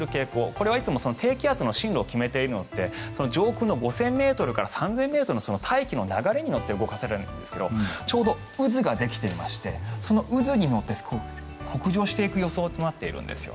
これは、いつも低気圧の進路を決めているのって上空の５０００ｍから３０００ｍの大気の流れによって動かされるんですがちょうど渦ができていましてその渦に乗って北上していく予想となっているんです。